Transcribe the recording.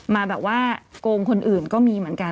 มาแบบว่าโกงคนอื่นก็มีเหมือนกัน